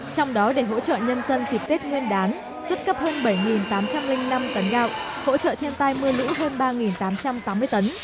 trong đó để hỗ trợ nhân dân dịp tết nguyên đán xuất cấp hơn bảy tám trăm linh năm tấn gạo hỗ trợ thiên tai mưa lũ hơn ba tám trăm tám mươi tấn